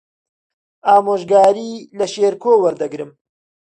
ئامۆژگاری لە شێرکۆ وەردەگرم.